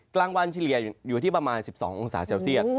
กลางวันเฉลี่ยอยู่ที่ประมาณ๑๒องศาเซลเซียต